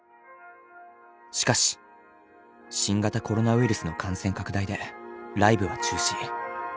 しかし新型コロナウイルスの感染拡大でライブは中止。